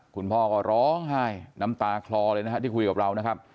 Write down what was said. คุณพ่อก็ร้องไห้อีกน้ำตาคลอเลยที่คุยกับเรา